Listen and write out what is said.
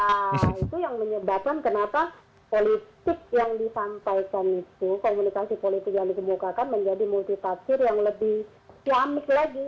itu yang menyebabkan kenapa politik yang disampaikan itu komunikasi politik yang dibukakan menjadi multitaksir yang lebih kiamik lagi